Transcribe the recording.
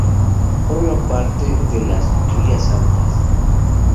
Forma parte de las Rías Altas.